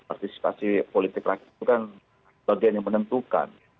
partisipasi politik rakyat itu kan bagian yang menentukan